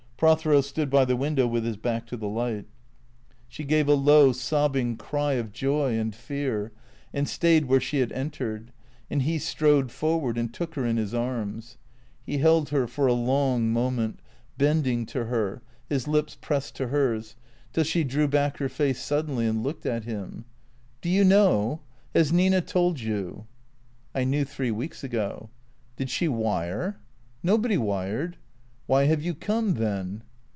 Prothero stood by the window with his back to the light. 8(X) 310 THE CEEATOES She gave a low sobbing cry of joy and fear, and stayed where she had entered; and he strode forward and took her in his arms. He held her for a long moment, bending to her, his lips pressed to hers, till she drew back her face suddenly and looked at him. " Do you know ? Has Nina told you ?"" I knew three weeks ago." " Did she wire ?" "Nobody wired." " Why have you come, then